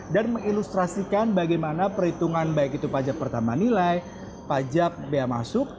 dan mengilustrasikan bagaimana perhitungan baik itu pajak pertama nilai pajak biaya masuk